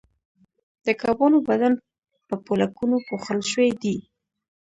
د کبانو بدن په پولکونو پوښل شوی دی